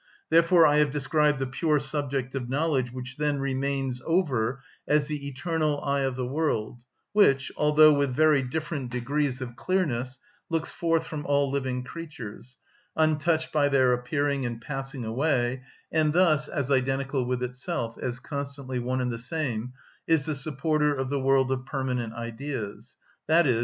Therefore I have described the pure subject of knowledge which then remains over as the eternal eye of the world, which, although with very different degrees of clearness, looks forth from all living creatures, untouched by their appearing and passing away, and thus, as identical with itself, as constantly one and the same, is the supporter of the world of permanent Ideas, _i.e.